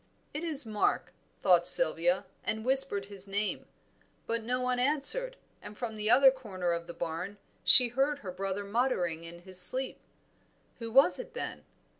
"It is Mark," thought Sylvia, and whispered his name, but no one answered, and from the other corner of the barn she heard her brother muttering in his sleep. Who was it, then?